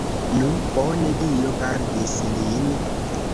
Nu, bone, Dio gardis lin!